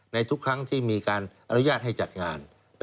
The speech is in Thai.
ในทุกครั้งที่มีการอนุญาตให้จัดงาน